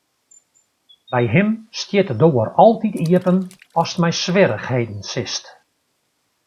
By him stiet de doar altyd iepen ast mei swierrichheden sitst.